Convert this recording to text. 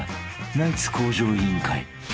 ［ナイツ『向上委員会』］